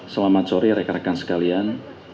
selamat sore rekan rekan sekalian